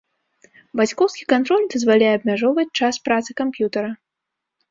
Бацькоўскі кантроль дазваляе абмяжоўваць час працы камп'ютара.